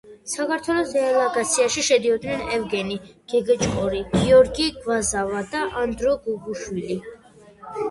საქართველოს დელეგაციაში შედიოდნენ ევგენი გეგეჭკორი, გიორგი გვაზავა და ანდრო გუგუშვილი.